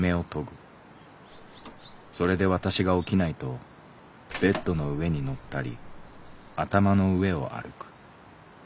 それで私が起きないとベッドの上に乗ったり頭の上を歩く。